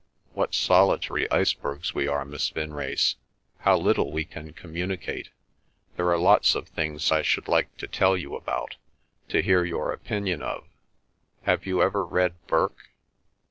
"What solitary icebergs we are, Miss Vinrace! How little we can communicate! There are lots of things I should like to tell you about—to hear your opinion of. Have you ever read Burke?"